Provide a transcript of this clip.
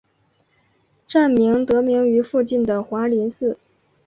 站名得名于附近的华林寺。